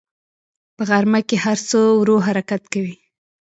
په غرمه کې هر څه ورو حرکت کوي